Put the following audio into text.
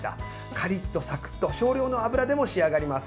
カリッとサクッと少量の油でも仕上がります。